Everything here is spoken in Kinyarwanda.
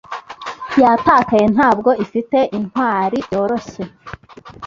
Yatakaye ntabwo ifite intwari byoroshye